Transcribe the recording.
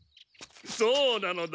そうなのだ！